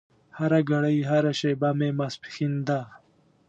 هرګړۍ هره شېبه مې ماسپښين ده